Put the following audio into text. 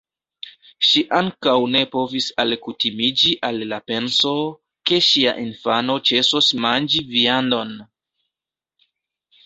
Ŝi ankaŭ ne povis alkutimiĝi al la penso, ke ŝia infano ĉesos manĝi viandon.